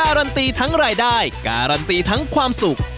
การันตีทั้งรายได้การันตีทั้งความสุข